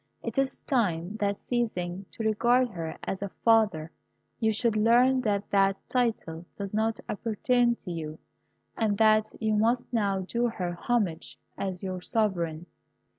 It is time that, ceasing to regard her as a father, you should learn that that title does not appertain to you, and that you must now do her homage as your sovereign.